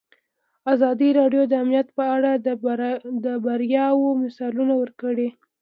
ازادي راډیو د امنیت په اړه د بریاوو مثالونه ورکړي.